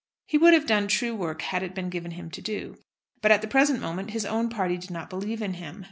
He would have done true work had it been given him to do. But at the present moment his own party did not believe in him.